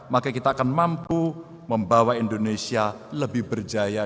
maka kita akan mampu membawa indonesia lebih berjaya